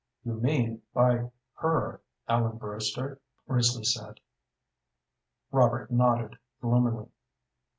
"You mean by her, Ellen Brewster?" Risley said. Robert nodded gloomily.